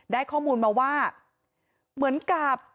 ได้ข้อมูลมาว่าเหมือนกับ